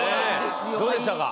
どうでしたか？